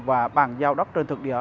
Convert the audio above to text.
và bàn giao đất trên thực địa